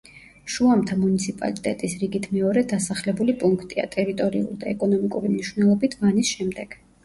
შუამთა მუნიციპალიტეტის რიგით მეორე დასახლებული პუნქტია, ტერიტორიული და ეკონომიკური მნიშვნელობით ვანის შემდეგ.